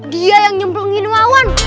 dia yang nyembangin wawan